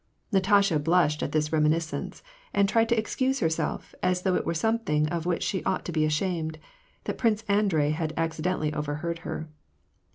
Natasha blushed at this reminiscence, and tried to excuse herself, as though it were something of which she ought to be ashamed, that Prince Andrei had accidentally overheard her.